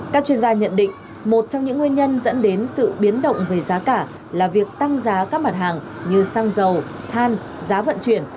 các chuyên gia nhận định một trong những nguyên nhân dẫn đến sự biến động về giá cả là việc tăng giá các mặt hàng như xăng dầu than giá vận chuyển